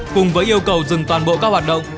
cùng với yêu cầu dừng toàn bộ các hoạt động